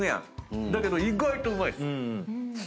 だけど意外とうまいっす。